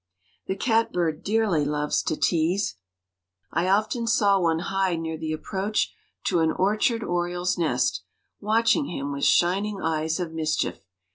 The catbird dearly loves to tease. I often saw one hide near the approach to an orchard oriole's nest, watching him with shining eyes of mischief.